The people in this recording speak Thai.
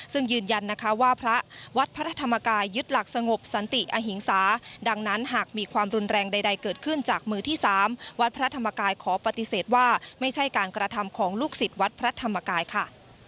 ซึ่งยืนยันนะคะว่าพระวัดพระธรรมกายยึดหลักสงบสันติอหิงสาดังนั้นหากมีความรุนแรงใดเกิดขึ้นจากมือที่๓วัดพระธรรมกายขอปฏิเสธว่าไม่ใช่การกระทำของลูกศิษย์วัดพระธรรมกายค่ะ